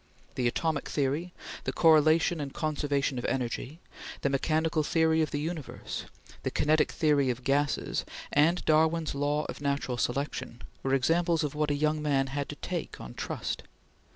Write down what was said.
The atomic theory; the correlation and conservation of energy; the mechanical theory of the universe; the kinetic theory of gases, and Darwin's Law of Natural Selection, were examples of what a young man had to take on trust.